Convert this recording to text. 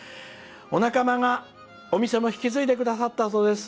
お仲間がお店も引き継いでくださったそうです」。